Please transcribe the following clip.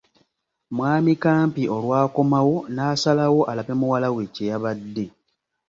Mwami Kampi olwakomawo n’asalawo alabe muwalawe kye yabadde.